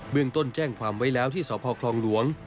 เรื่องต้นแจ้งความไว้แล้วที่สพคลองหลวง